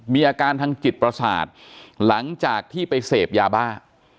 มีอาการทางจิตประสาทหลังจากที่ไปเสพยาบ้า